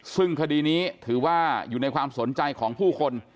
ซึ่งคดีนี้ถือว่าอยู่ในความสนใจของผู้คน